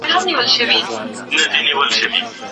لکه شمع په خپل ځان کي ویلېدمه